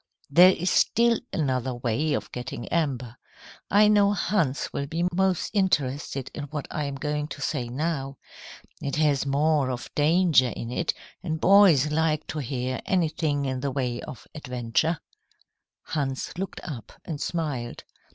"There is still another way of getting amber. I know Hans will be most interested in what I am going to say now. It has more of danger in it, and boys like to hear anything in the way of adventure." Hans looked up and smiled.